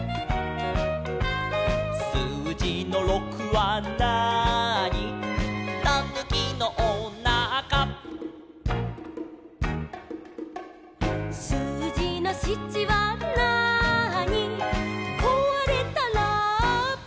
「すうじの６はなーに」「たぬきのおなか」「すうじの７はなーに」「こわれたラッパ」